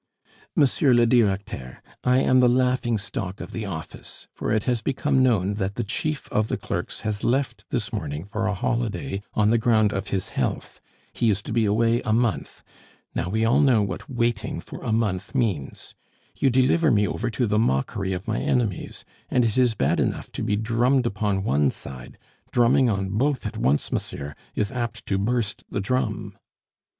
"Monsieur le Directeur, I am the laughing stock of the office, for it has become known that the chief of the clerks has left this morning for a holiday, on the ground of his health. He is to be away a month. Now, we all know what waiting for a month means. You deliver me over to the mockery of my enemies, and it is bad enough to be drummed upon one side; drumming on both at once, monsieur, is apt to burst the drum."